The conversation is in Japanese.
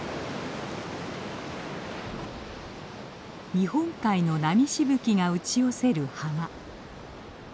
日本海の波しぶきが打ち寄せる浜。